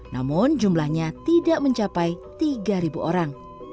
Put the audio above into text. namun jumlahnya tidak mencapai tiga orang